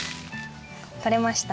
とれました。